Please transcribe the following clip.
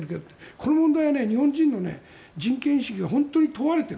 この問題は日本人の人権意識が問われている。